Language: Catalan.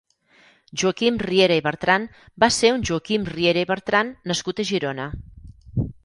Joaquim Riera i Bertran va ser un joaquim Riera i Bertran nascut a Girona.